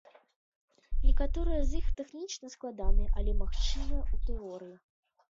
Некаторыя з іх тэхнічна складаныя, але магчымыя ў тэорыі.